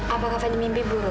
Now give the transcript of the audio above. apakah fadil mimpi buruk